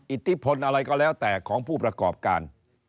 อิทธิพลอะไรก็แล้วแต่ของผู้ประกอบการ